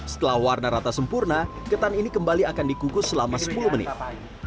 setelah warna rata sempurna ketan ini kembali akan dikukus selama sepuluh menit